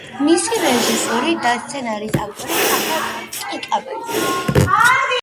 მისი რეჟისორი და სცენარის ავტორია კახა კიკაბიძე.